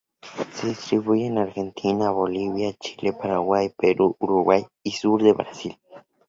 Se distribuye en Argentina, Bolivia, Chile, Paraguay, Perú, Uruguay y sur de Brasil.